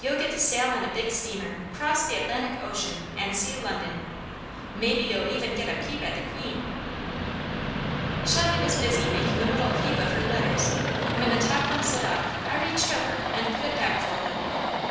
You'll get to sail on a big steamer, cross the Atlantic Ocean, and see London. Maybe you'll even get a peep at the Queen!" Shelley was busy making a little heap of her letters; when the top one slid off I reached over and put it back for her.